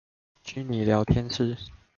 虛擬聊天室